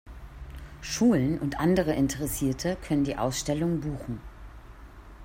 Schulen und andere Interessierte können die Ausstellung buchen.